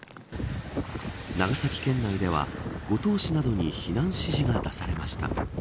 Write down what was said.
長崎県内では、五島市などに避難指示が出されました。